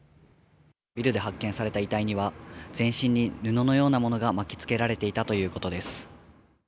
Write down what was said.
ビルで発見された遺体には、全身に布のようなものが巻き付けられていたということです。